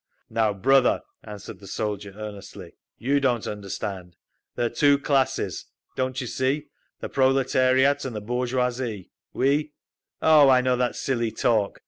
"Now brother," answered the soldier earnestly, "you don't understand. There are two classes, don't you see, the proletariat and the bourgeoisie. We—" "Oh, I know that silly talk!"